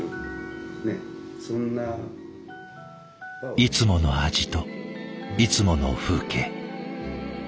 いつもの味といつもの風景。